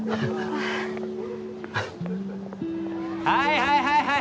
はいはいはいはい！